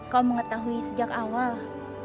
kau mengetahui sejak awal